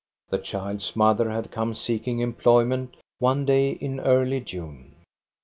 The child's mother had come seeking employment one day in early June.